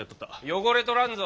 汚れとらんぞ。